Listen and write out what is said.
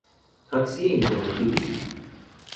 تاکسی اینترنتی بگیر